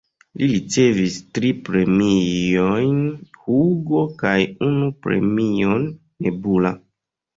Li ricevis tri premiojn Hugo kaj unu premion Nebula.